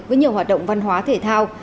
với nhiều hoạt động văn hóa thể thao